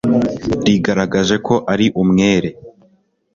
rigaragaje ko ari umwere